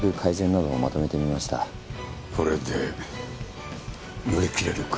これで乗り切れるか？